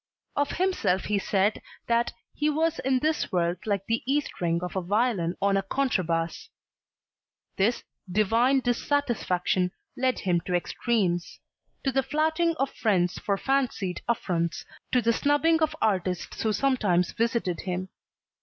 Of himself he said that "he was in this world like the E string of a violin on a contrabass." This "divine dissatisfaction" led him to extremes: to the flouting of friends for fancied affronts, to the snubbing of artists who sometimes visited him.